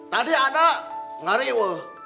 tadi anak ngari weh